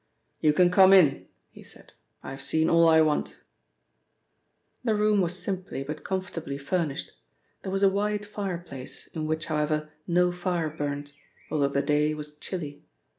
"You can come in," he said, "I've seen all I want." The room was simply but comfortably furnished. There was a wide fireplace, in which, however, no fire burnt, although the day was chilly.